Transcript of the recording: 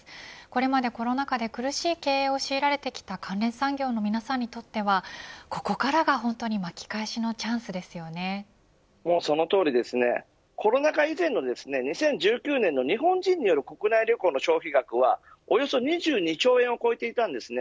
これまでコロナ禍で苦しい経営を強いられてきた関連産業の皆さんにとってはここからが本当にコロナ禍以前の２０１９年の日本人による国内旅行の消費額はおよそ２２兆円を超えていたんです。